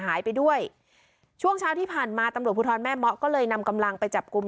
หายไปด้วยช่วงเช้าที่ผ่านมาตำรวจภูทรแม่เมาะก็เลยนำกำลังไปจับกลุ่ม